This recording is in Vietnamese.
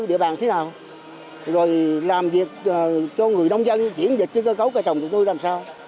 địa bàn thế nào rồi làm việc cho người nông dân diễn dịch cơ cấu cây trồng thịt nuôi làm sao